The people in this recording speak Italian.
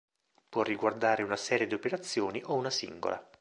Può riguardare una serie di operazioni o una singola.